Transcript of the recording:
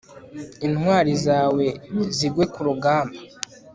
intwari zawe zigwe ku rugamba